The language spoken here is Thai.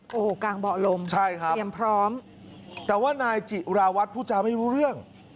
โอ้โหกางเบาะลมเตรียมพร้อมใช่ครับแต่ว่านายจิราวัฒน์ผู้ชาวไม่รู้เรื่อง